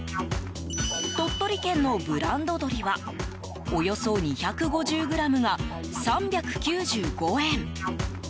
鳥取県のブランド鶏はおよそ２５０ｇが３９５円。